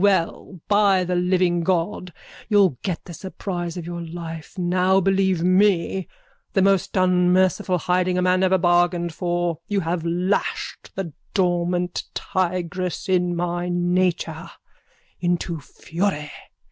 Well, by the living God, you'll get the surprise of your life now, believe me, the most unmerciful hiding a man ever bargained for. You have lashed the dormant tigress in my nature into fury.